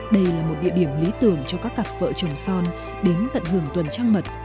đây là một địa điểm lý tưởng cho các cặp vợ chồng son đến tận hưởng tuần trang mật